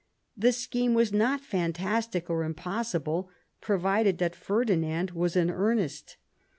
The scheme was not fantastic or impossible, provided that Ferdinand was in earnest.